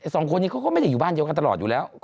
สองคนนี้เขาก็ไม่ได้อยู่บ้านเดียวกันตลอดอยู่แล้ว